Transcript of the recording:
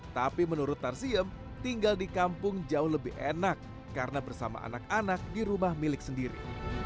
tapi menurut tarsiem tinggal di kampung jauh lebih enak karena bersama anak anak di rumah milik sendiri